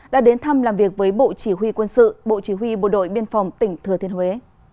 đã đến thăm làm việc với bộ chỉ huy quân sự bộ chỉ huy bộ đội biên phòng tỉnh thừa thiên huế